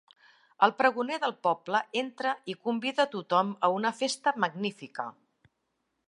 El pregoner del poble entra i convida tothom a una festa magnífica.